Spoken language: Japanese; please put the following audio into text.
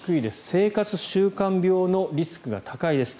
生活習慣病のリスクが高いです。